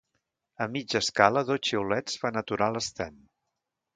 A mitja escala dos xiulets fan aturar l'Sten.